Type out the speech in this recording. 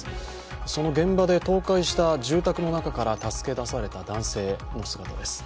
その現場で倒壊した住宅の中から助け出された男性の姿です。